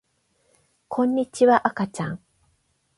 こんにちはあかちゃん